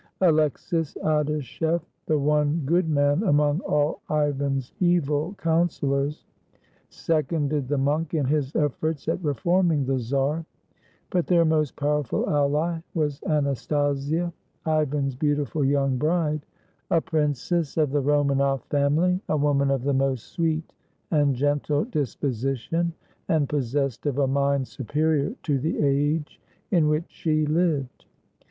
Alexis Adashef, the one good man among all Ivan's evil counselors, seconded the monk in his efforts at reforming the czar; but their most powerful ally was Anastasia, Ivan's beautiful young bride, a prin cess of the Romanoff family, a woman of the most sweet and gentle disposition, and possessed of a mind superior to the age in which she lived.